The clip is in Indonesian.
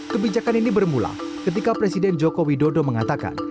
kebijakan ini bermula ketika presiden joko widodo mengatakan